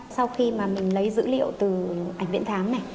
sau khi mình lấy dữ liệu từ ảnh viện thám